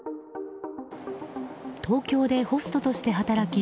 東京でホストとして働き